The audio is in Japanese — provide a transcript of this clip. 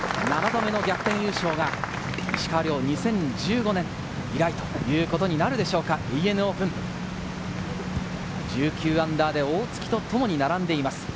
７度目の逆転優勝が、２０１５年以来ということになるでしょうかＡＮＡオープン、−１９で大槻とともに並んでいます。